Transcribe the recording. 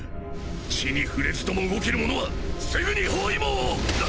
地に触れずとも動ける者はすぐに包囲網をっ。